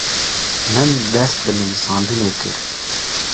Min dest bi nivîsandinê kir.